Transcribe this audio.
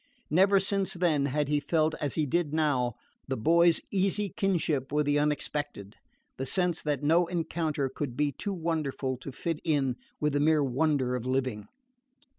Never since then had he felt, as he did now, the boy's easy kinship with the unexpected, the sense that no encounter could be too wonderful to fit in with the mere wonder of living.